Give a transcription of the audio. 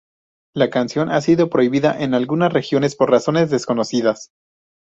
La canción ha sido prohibida en algunas regiones por razones desconocidas.